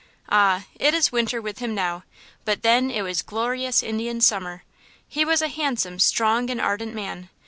"Ah! it is winter with him now; but then it was glorious Indian summer! He was a handsome, strong and ardent man.